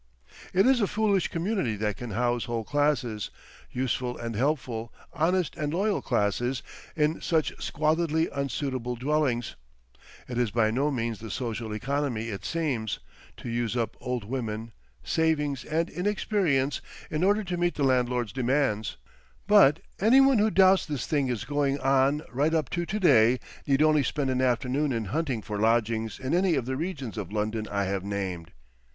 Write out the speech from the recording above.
It is a foolish community that can house whole classes, useful and helpful, honest and loyal classes, in such squalidly unsuitable dwellings. It is by no means the social economy it seems, to use up old women, savings and inexperience in order to meet the landlord's demands. But any one who doubts this thing is going on right up to to day need only spend an afternoon in hunting for lodgings in any of the regions of London I have named.